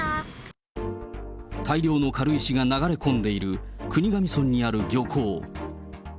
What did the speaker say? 大量の軽石が流れ込んでいる国頭村にある漁港。